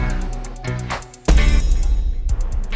udah itu aja